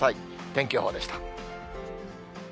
天気予報でした。